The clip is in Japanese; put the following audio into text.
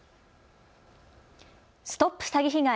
ＳＴＯＰ詐欺被害！